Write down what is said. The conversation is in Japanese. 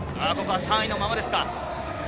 ここは３位のままですか。